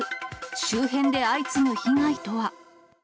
周辺で相次ぐ被害とは。